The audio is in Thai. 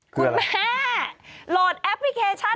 คุณแม่โหลดแอปพลิเคชัน